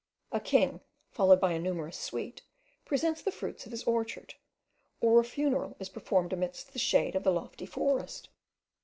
A king, followed by a numerous suite, presents the fruits of his orchard; or a funeral is performed amidst the shade of the lofty forest.